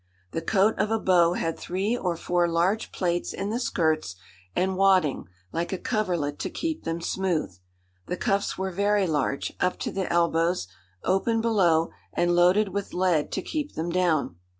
The coat of a beau had three or four large plaits in the skirts, and wadding, like a coverlet, to keep them smooth. The cuffs were very large, up to the elbows, open below, and loaded with lead to keep them down.